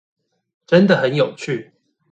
真的很有趣